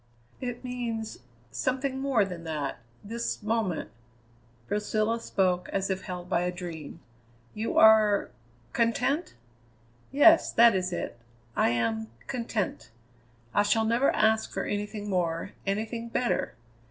"It means something more than that this moment " Priscilla spoke as if held by a dream. "You are content?" "Yes. That is it. I am content. I shall never ask for anything more, anything better.